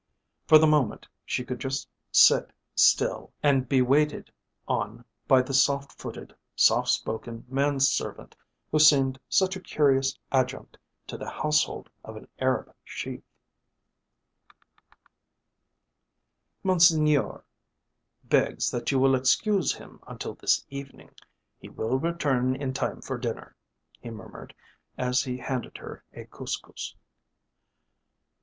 For the moment she could just sit still and be waited on by the soft footed, soft spoken manservant who seemed such a curious adjunct to the household of an Arab chief. "Monseigneur begs that you will excuse him until this evening. He will return in time for dinner," he murmured as he handed her a cous cous.